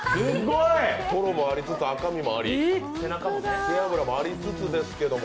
トロもありつつ赤身もあり、背脂もありつつですけれども。